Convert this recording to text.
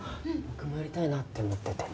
僕もやりたいなって思ってて。